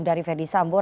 dari ferdis sambor